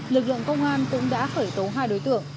lực lượng công an cũng đã khởi tố hai đối tượng